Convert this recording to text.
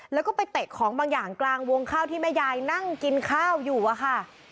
แล้วก็ไปเตะของบางอย่างกลางวงข้าวที่แม่ยายนั่งกินข้าวอยู่อะค่ะ